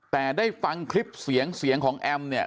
แต่ได้ฟังคลิปเสียงเสียงของแอมเนี่ย